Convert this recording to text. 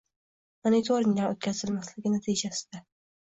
Monitoringlar o‘tkazilmasligi natijasida